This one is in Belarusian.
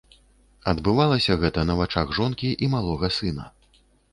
Адбывалася гэта на вачах жонкі і малога сына.